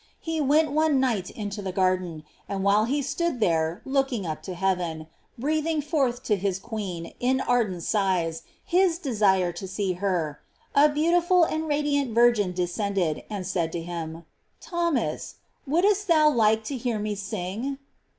He went one night into the garden, and while he stood there looking up to heaven, breathing forth to his queen in ardent sighs his desire to see her, a beautiful and radiant virgin descended, and said to him: Thomas, wouldst thou like to hear me sing?"